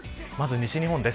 西日本です。